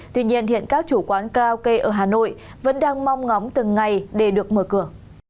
tuy nhiên hiện các chủ quán karaoke ở hà nội vẫn đang mong ngóng từng ngày để được mở cửa